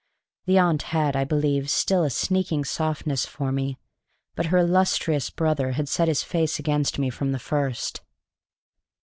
The aunt had, I believed, still a sneaking softness for me, but her illustrious brother had set his face against me from the first.